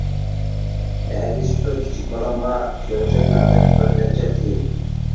ئەگىشىپتۇ كىچىك بالامغا، چۆچەكلەردەك بىرنەچچە تىيىن.